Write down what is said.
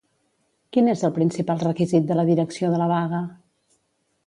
Quin és el principal requisit de la direcció de la vaga?